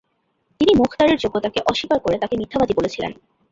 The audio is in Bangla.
তিনি মুখতারের যোগ্যতাকে অস্বীকার করে তাকে মিথ্যাবাদী বলেছিলেন।